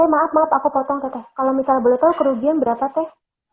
maaf maaf aku potong kalau misal beliau kerugian berapa teh